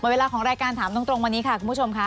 เวลาของรายการถามตรงวันนี้ค่ะคุณผู้ชมค่ะ